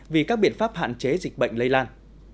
vì các biện pháp hạn chế dịch bệnh lây lan